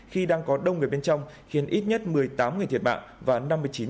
khi đang có đông người bên trong khiến ít nhất một mươi tám người thiệt mạng và năm mươi chín người khác bị thường